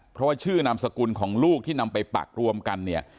เพราะว่าชื่อนามสกุลของลูกที่นำไปปักรวมกันเนี่ย